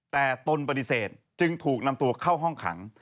แต่ตนปฏิเสธจึงถูกนำตัวเข้าห้องขัง